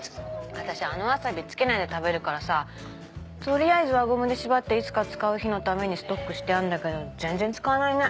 私あのワサビつけないで食べるからさ取りあえず輪ゴムで縛っていつか使う日のためにストックしてあんだけど全然使わないね。